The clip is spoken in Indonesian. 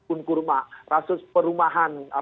unkurma rasus perumahan